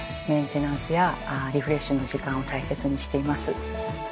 メンテンスやリフレッシュの時間を大切にしています。